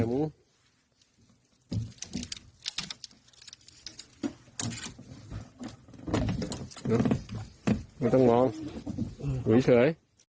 ไม่ต้องมองเฉย